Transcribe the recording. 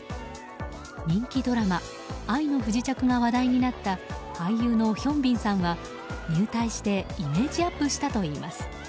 人気ドラマ「愛の不時着」が話題になった俳優のヒョンビンさんは入隊して、イメージアップしたといいます。